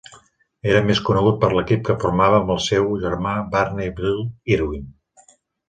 Era més conegut per l'equip que formava amb el seu germà Barney "Bill" Irwin.